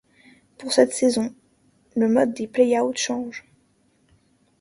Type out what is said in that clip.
Pour cette saison, le mode des play-out change.